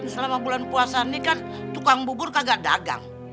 selama bulan puasa ini kan tukang bubur kagak dagang